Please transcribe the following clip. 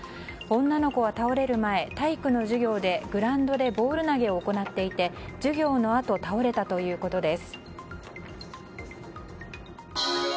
女の子は倒れる前、体育の授業でグラウンドでボール投げを行っていて授業のあと倒れたということです。